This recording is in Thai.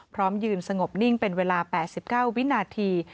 พร้อมยืนสงบนิ่งเป็นเวลา๘๙วินาที